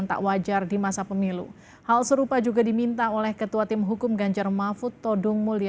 tak wajar di masa pemilu hal serupa juga diminta oleh ketua tim hukum ganjar mahfud todung mulya